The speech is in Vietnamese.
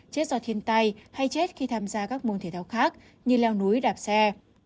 chết do thiên tai hay chết khi tham gia các môn thể thao khác như leo núi đạp xe